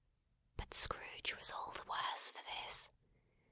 But Scrooge was all the worse for this.